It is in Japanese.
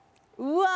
うわ！